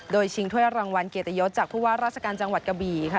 โดยชิงถ้วยรางวัลเกียรติยศจากผู้ว่าราชการจังหวัดกะบี่ค่ะ